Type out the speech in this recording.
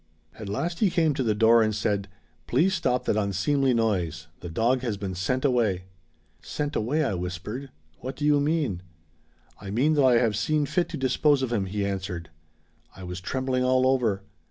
At last he came to the door and said 'Please stop that unseemly noise. The dog has been sent away.' 'Sent away?' I whispered. 'What do you mean?' 'I mean that I have seen fit to dispose of him,' he answered. I was trembling all over.